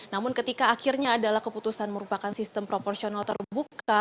namun ketika akhirnya adalah keputusan merupakan sistem proporsional terbuka